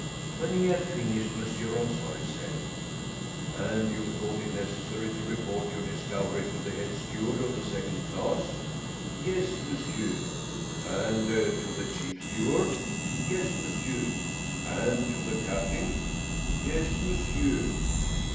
When he had finished, Monsieur Ronssoy said, "And you thought it necessary to report your discovery to the head steward of the second class?" "Yes, monsieur." "And to the chief steward?" "Yes, monsieur." "And to the captain?" "Yes, monsieur."